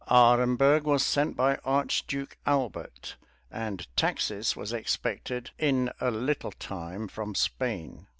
Aremberg was sent by Archduke Albert, and Taxis was expected in a little time from Spain.